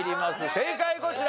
正解こちら。